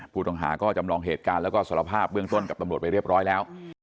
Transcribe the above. ผู้ต้องหาก็จำลองเหตุการณ์แล้วก็สารภาพเบื้องต้นกับตำรวจไปเรียบร้อยแล้ว